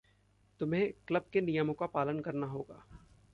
तुम्हे क्लब के नियमों का पालन करना होगा।